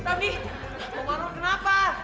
tony mau marah kenapa